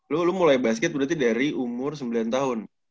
lu lo mulai basket berarti dari umur sembilan tahun